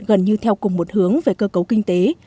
gần như theo cùng một hướng về cơ cấu kinh tế